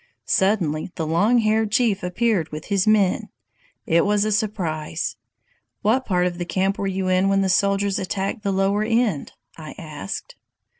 "Suddenly the Long Haired Chief appeared with his men! It was a surprise." "What part of the camp were you in when the soldiers attacked the lower end?" I asked.